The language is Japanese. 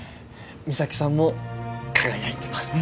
三咲さんも輝いてます